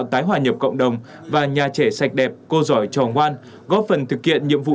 tái hòa nhập cộng đồng và nhà trẻ sạch đẹp cô giỏi trò ngoan góp phần thực hiện nhiệm vụ